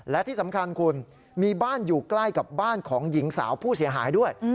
และที่สำคัญคุณมีบ้านอยู่ใกล้กับบ้านของหญิงสาวผู้เสียหายด้วย